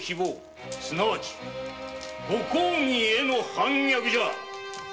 すなわちご公儀への反逆じゃ！